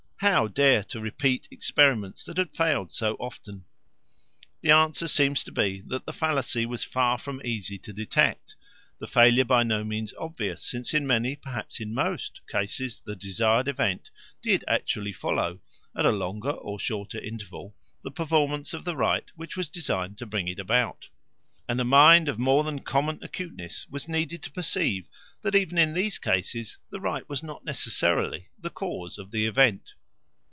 How dare to repeat experiments that had failed so often? The answer seems to be that the fallacy was far from easy to detect, the failure by no means obvious, since in many, perhaps in most cases, the desired event did actually follow, at a longer or shorter interval, the performance of the rite which was designed to bring it about; and a mind of more than common acuteness was needed to perceive that, even in these cases, the rite was not necessarily the cause of the event.